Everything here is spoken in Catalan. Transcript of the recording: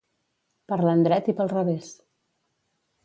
Per l'endret i pel revés.